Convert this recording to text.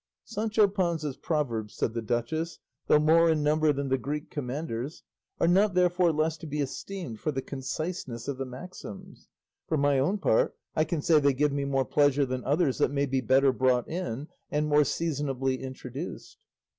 "Sancho Panza's proverbs," said the duchess, "though more in number than the Greek Commander's, are not therefore less to be esteemed for the conciseness of the maxims. For my own part, I can say they give me more pleasure than others that may be better brought in and more seasonably introduced."